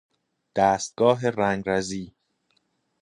دستگاه رنگرزی